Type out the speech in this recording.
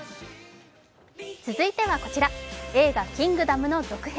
続いてはこちら映画「キングダム」の続編。